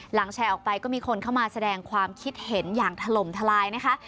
แชร์ออกไปก็มีคนเข้ามาแสดงความคิดเห็นอย่างถล่มทลายนะคะ